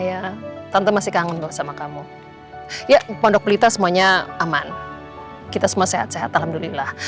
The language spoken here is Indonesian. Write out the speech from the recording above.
ya tante masih kangen loh sama kamu ya pondok pelita semuanya aman kita semua sehat sehat alhamdulillah